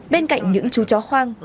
bên cạnh những chú chó hoang